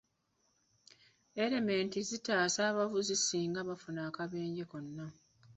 Erementi zitaasa abavuzi singa bafuna akabenje konna.